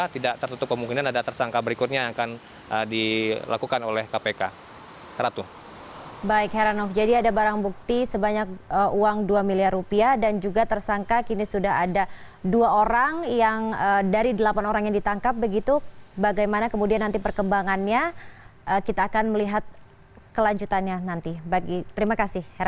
tidak tertutup kemungkinan ada tersangka berikutnya yang akan dilakukan oleh kpk